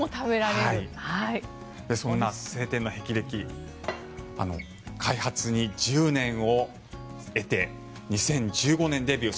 そんな青天の霹靂開発に１０年を経て２０１５年、デビュー。